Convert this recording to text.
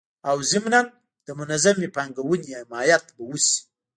او ضمنان د منظمي پانګوني حمایت به وسي